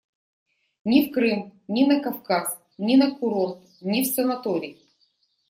Ни в Крым, ни на Кавказ, ни на курорт, ни в санаторий.